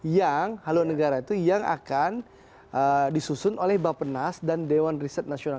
yang haluan negara itu yang akan disusun oleh bapenas dan dewan riset nasional